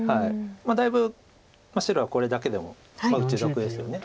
だいぶ白はこれだけでも打ち得ですよね。